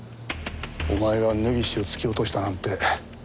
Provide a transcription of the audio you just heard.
お前が根岸を突き落としたなんて誰も疑わん。